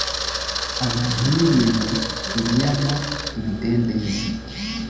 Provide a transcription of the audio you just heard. abantu n ibintu ibiyaga ibidendezi